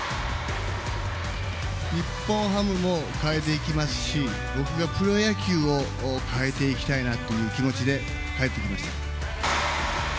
日本ハムも変えていきますし、僕がプロ野球を変えていきたいなという気持ちで帰ってきました。